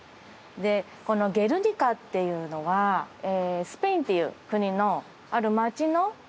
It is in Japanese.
でこの「ゲルニカ」っていうのはスペインっていう国のある街の名前になります。